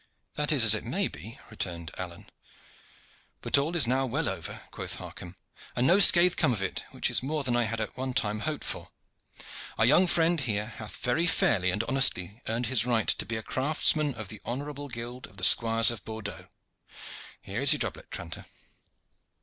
"That is as it may be," returned Alleyne. "But all is now well over," quoth Harcomb, "and no scath come of it, which is more than I had at one time hoped for. Our young friend here hath very fairly and honestly earned his right to be craftsman of the Honorable Guild of the Squires of Bordeaux. Here is your doublet, Tranter."